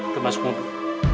dan masuk mobil